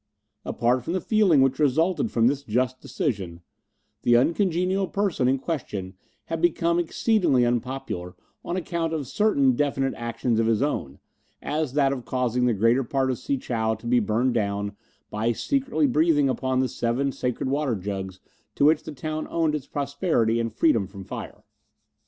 Apart from the feeling which resulted from this just decision, the uncongenial person in question had become exceedingly unpopular on account of certain definite actions of his own, as that of causing the greater part of Si chow to be burned down by secretly breathing upon the seven sacred water jugs to which the town owed its prosperity and freedom from fire.